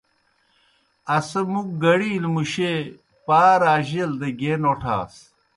اسہ مُک گڑیلہ مُشیئے پار آ جیل دہ گیے نوٹھاس۔